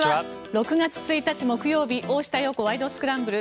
６月１日、木曜日「大下容子ワイド！スクランブル」。